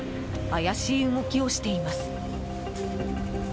怪しい動きをしています。